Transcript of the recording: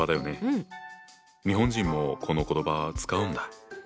日本人もこの言葉使うんだ。